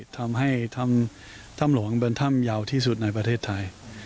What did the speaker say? ทำให้ถ้ำหลวงเป็นถ้ำยาวที่สุดในประเทศไทย